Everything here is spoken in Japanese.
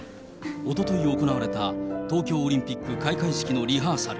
おととい行われた東京オリンピック開会式のリハーサル。